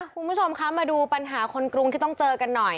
คุณผู้ชมคะมาดูปัญหาคนกรุงที่ต้องเจอกันหน่อย